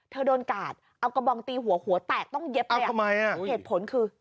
โดนกาดเอากระบองตีหัวหัวแตกต้องเย็บเนี่ยทำไมอ่ะเหตุผลคือ